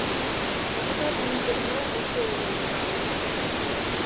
Тудат мӱндырнӧ огыл колым эҥыра улмаш.